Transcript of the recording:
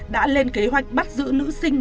đã lên kế hoạch bắt giữ nữ sinh